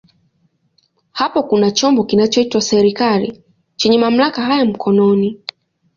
Hapo kuna chombo kinachoitwa serikali chenye mamlaka haya mkononi.